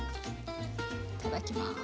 いただきます。